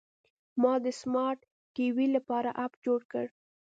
ما د سمارټ ټي وي لپاره اپ جوړ کړ.